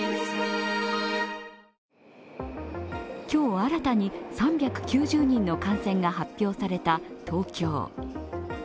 今日新たに３９０人の感染が発表された東京。